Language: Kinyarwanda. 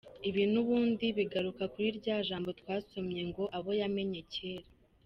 Ibi n’ubundi bigaruka kuri rya jambo twasomye ngo “abo yamenye kera.